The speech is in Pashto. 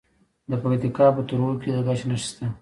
د پکتیکا په تروو کې د ګچ نښې شته.